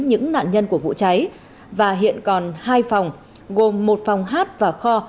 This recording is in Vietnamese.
những nạn nhân của vụ cháy và hiện còn hai phòng gồm một phòng hát và kho